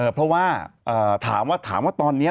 เพราะว่าถามว่าตอนนี้